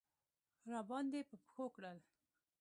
راباندې په پښو کړل.